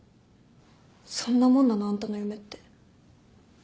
そんなもんなの？あんたの夢って。